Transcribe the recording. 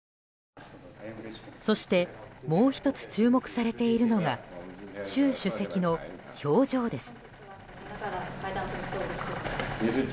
そしてもう１つ注目されているのが習主席の表情です。